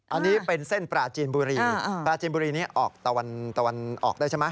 อันนี้เป็นเส้นปลาจีนบุรีปลาจีนบุรีนี้ออกตะวันตะวันออกได้ใช่ไหม